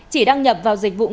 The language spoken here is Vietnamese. chỉ đăng nhập vào dịch vụ